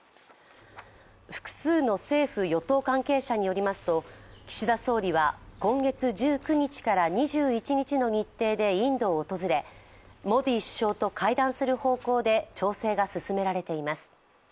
複数の政府・与党関係者によりますと岸田総理は今月１９日から２１日の日程でインドを訪れ、モディ首相と会談する方向で調整が進められています。